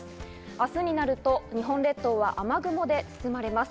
明日になると日本列島は雨雲で包まれます。